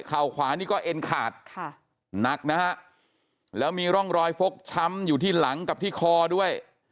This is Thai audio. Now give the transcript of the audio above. ขวานี่ก็เอ็นขาดค่ะหนักนะฮะแล้วมีร่องรอยฟกช้ำอยู่ที่หลังกับที่คอด้วย